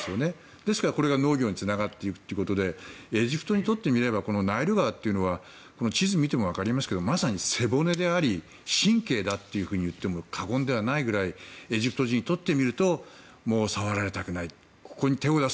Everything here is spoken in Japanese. ですからそれが農業につながっていくということでナイル川というのは地図を見ても分かりますがまさに背骨であり神経だといっても過言ではないくらいエジプト人にとっては触られたくない。